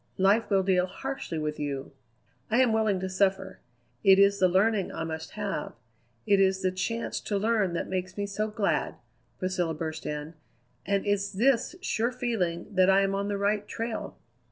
Life will deal harshly with you." "I am willing to suffer. It is the learning I must have. It is the chance to learn that makes me so glad," Priscilla burst in, "and it's this sure feeling that I am on the right trail."